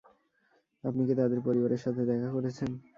আপনি কি তাদের পরিবারের সাথে দেখা করেছেন?